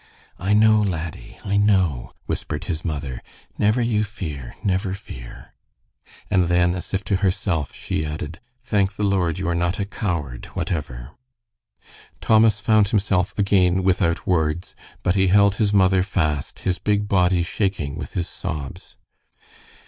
"I know, laddie, I know," whispered his mother. "Never you fear, never fear." And then, as if to herself, she added, "Thank the Lord you are not a coward, whatever." Thomas found himself again without words, but he held his mother fast, his big body shaking with his sobs.